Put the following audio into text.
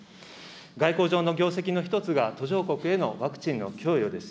外交上の業績の一つが途上国へのワクチンの供与です。